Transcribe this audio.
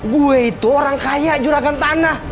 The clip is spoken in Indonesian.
gue itu orang kaya juragan tanah